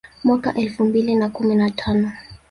Mwaka elfu mbili na kumi na tano